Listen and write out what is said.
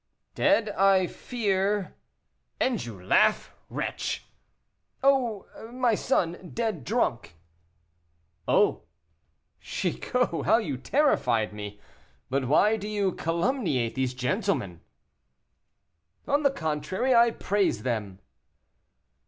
"Dead I fear " "And you laugh, wretch?" "Oh! my son, dead drunk." "Oh! Chicot, how you terrified me. But why do you calumniate these gentlemen?" "On the contrary, I praise them."